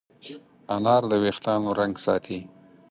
انار د وېښتانو رنګ ساتي.